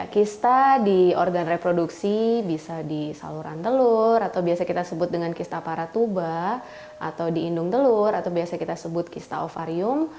kista di organ reproduksi bisa di saluran telur atau biasa kita sebut dengan kista paratuba atau di indung telur atau biasa kita sebut kista ovarium